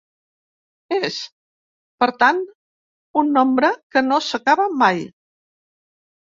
És, per tant, un nombre que no s’acaba mai.